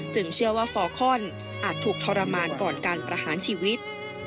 เชื่อว่าฟอร์คอนอาจถูกทรมานก่อนการประหารชีวิต